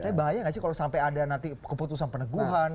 tapi bayangkan sih kalau sampai ada nanti keputusan peneguhan